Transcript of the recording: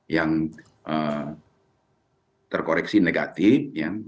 yang terkoreksi negatif